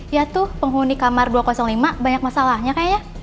ya tuh penghuni kamar dua ratus lima banyak masalahnya kayak ya